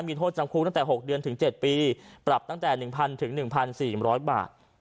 มีโทษจำคุกตั้งแต่หกเดือนถึงเจ็ดปีปรับตั้งแต่หนึ่งพันถึงหนึ่งพันสี่หมดร้อยบาท